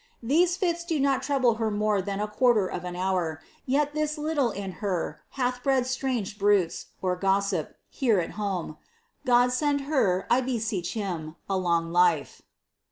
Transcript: These fits did not trouble her more than a quarter c hour, yet this little in her hath bred strange bruits (gossip) hei home. God send her, I beseech him, a long life."